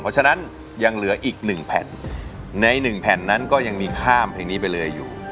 เพราะฉะนั้นยังเหลืออีกหนึ่งแผ่นในหนึ่งแผ่นนั้นก็ยังมีข้ามเพลงนี้ไปเลยอยู่